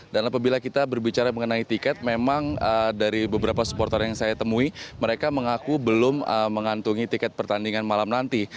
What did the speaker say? dan apabila kita berbicara mengenai tiket memang dari beberapa supporter yang saya temui mereka mengaku belum mengantungi tiket pertandingan malam nanti